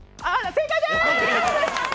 正解です！